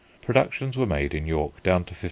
Productions were made in York down to 1579.